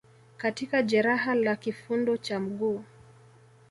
katika jeraha la kifundo cha mguu